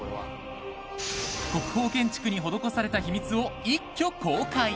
国宝建築に施された秘密を一挙公開。